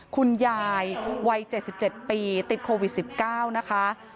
คุณยายวัย๗๗ปีติดโควิด๑๙นะคะ